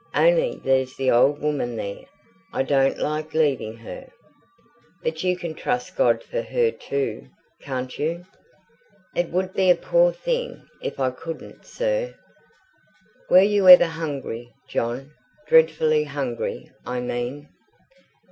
Only there's the old woman there! I don't like leaving her." "But you can trust God for her too, can't you?" "It would be a poor thing if I couldn't, sir." "Were you ever hungry, John dreadfully hungry, I mean?"